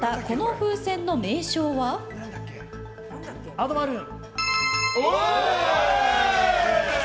アドバルーン。